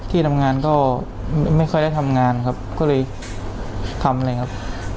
ที่ทำงานก็ไม่ค่อยได้ทำงานครับก็เลยทำเลยครับ